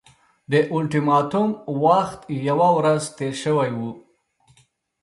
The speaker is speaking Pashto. د اولټیماټوم وخت یوه ورځ تېر شوی وو.